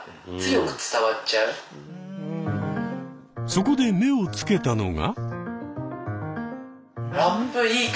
そこで目をつけたのが。